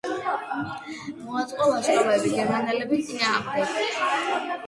მოაწყო ლაშქრობები გერმანელების წინააღმდეგ.